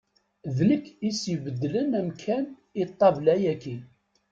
D nekk i s-ibeddlen amkan i ṭṭabla-yaki.